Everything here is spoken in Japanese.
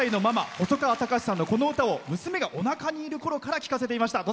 細川たかしさんの、この歌を娘がおなかにいるころから聴かせていました。